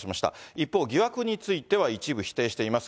一方、疑惑については一部否定しています。